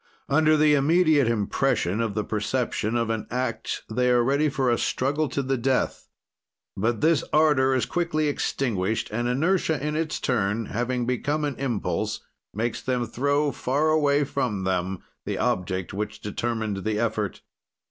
"Under the immediate impression of the perception of an act they are ready for a struggle to the death; but this ardor is quickly extinguished, and inertia, in its turn, having become an impulse, makes them throw far away from them the object which determined the effort.